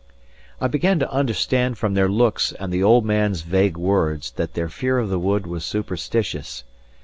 I began to understand from their looks and the old man's vague words that their fear of the wood was superstitious.